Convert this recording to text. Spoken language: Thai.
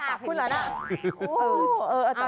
ปากคุณเหรอน่ะ